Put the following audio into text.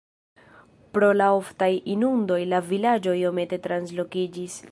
Pro la oftaj inundoj la vilaĝo iomete translokiĝis.